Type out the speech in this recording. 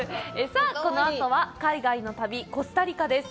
さあ、このあとは海外の旅、コスタリカです。